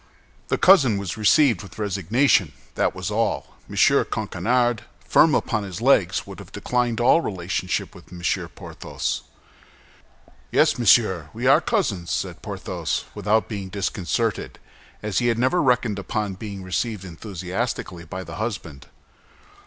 The cousin was received with resignation, that was all. M. Coquenard, firm upon his legs, would have declined all relationship with M. Porthos. "Yes, monsieur, we are cousins," said Porthos, without being disconcerted, as he had never reckoned upon being received enthusiastically by the husband.